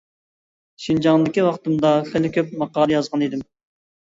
شىنجاڭدىكى ۋاقتىمدا خېلى كۆپ ماقالە يازغان ئىدىم.